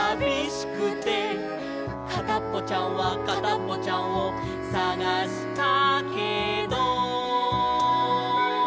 「かたっぽちゃんはかたっぽちゃんをさがしたけど」